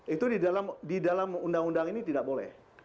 itu di dalam undang undang ini tidak boleh